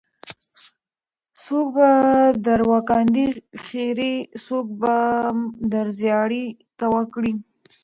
څوک به در وکاندې خیرې څوک بم در زیاړې توه کړي.